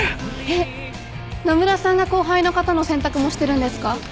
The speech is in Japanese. えっ野村さんが後輩の方の洗濯もしてるんですか？